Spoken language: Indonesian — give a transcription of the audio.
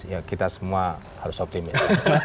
ya kita semua harus optimis